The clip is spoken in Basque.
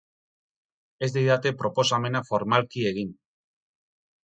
Ez didate proposamena formalki egin.